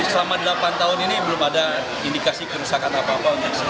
selama delapan tahun ini belum ada indikasi kerusakan apa apa